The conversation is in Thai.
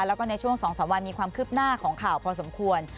แล้วก็ในช่วง๒๓วันมีความคืบหน้าของข่าวพอสมควร